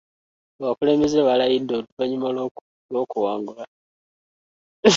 Abakulembeze baalayidde oluvannyuma lw'okuwangula.